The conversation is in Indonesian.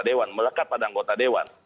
dewan melekat pada anggota dewan